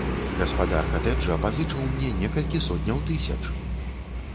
Гаспадар катэджа пазычыў мне некалькі сотняў тысяч!